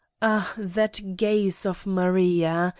Ah, that gaze of Maria